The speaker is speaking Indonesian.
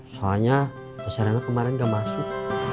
soalnya teh serena kemarin gak masuk